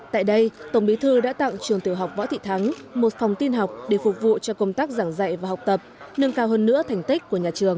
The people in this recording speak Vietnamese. tại đây tổng bí thư đã tặng trường tiểu học võ thị thắng một phòng tin học để phục vụ cho công tác giảng dạy và học tập nâng cao hơn nữa thành tích của nhà trường